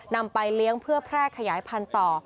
นำไปเลี้ยงเพื่อแพร่ขยายพันธุ์ต่อ